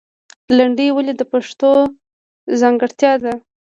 لندۍ ولې د پښتو ځانګړتیا ده؟